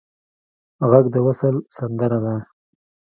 غږ د وصل سندره ده